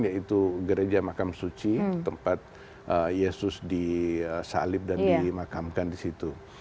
yaitu gereja makam suci tempat yesus disalib dan dimakamkan di situ